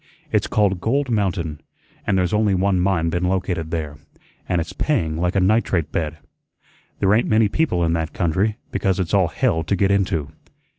It's called Gold Mountain, an' there's only one mine been located there, an' it's paying like a nitrate bed. There ain't many people in that country, because it's all hell to get into.